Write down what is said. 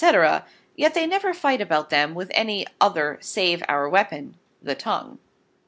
yet they never fight about them with any other save our Weapon, the Tongue.